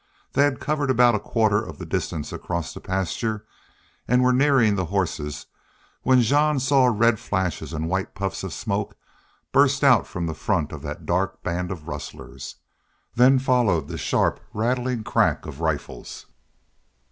They had covered about a quarter of the distance across the pasture, and were nearing the horses, when Jean saw red flashes and white puffs of smoke burst out from the front of that dark band of rustlers. Then followed the sharp, rattling crack of rifles.